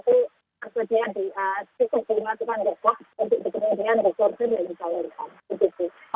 tersebut di situ di masukan dekwah untuk dikembangkan dikonsumsi dan dikawal